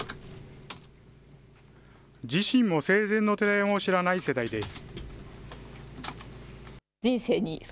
自身も生前の寺山を知らない世代です。